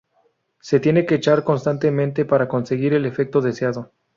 Se tienen que echar constantemente para conseguir el efecto deseado.